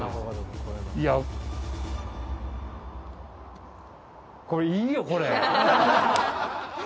いや、これいいよ、これ。